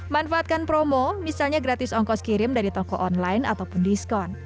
manfaatkan promo misalnya gratis ongkos kirim dari toko online ataupun diskon